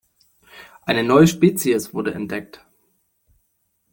Eine neue Spezies wurde entdeckt.